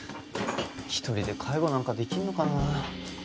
一人で介護なんかできるのかな？